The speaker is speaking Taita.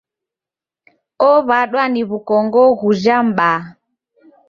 Ow'adwa ni w'ukongo ghuja m'baa.